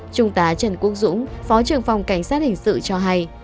trung tá trần quốc dũng phó trưởng phòng cảnh sát hình sự cho hay